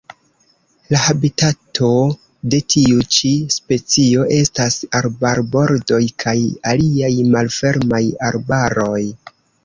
La habitato de tiu ĉi specio estas arbarbordoj kaj aliaj malfermaj arbaroj.